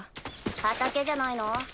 畑じゃないの？